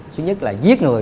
thứ nhất là giết người